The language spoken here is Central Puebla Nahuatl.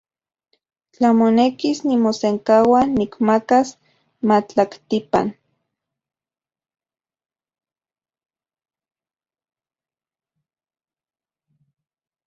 Tla monekis, nimosenkaua nikmakas matlaktipan.